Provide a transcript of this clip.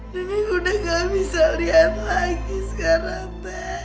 nenek udah gak bisa lihat lagi sekarang t e i s